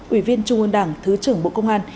ủy viên trung ương đảng thứ trưởng bộ công an